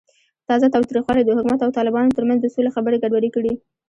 تازه تاوتریخوالی د حکومت او طالبانو ترمنځ د سولې خبرې ګډوډې کړې.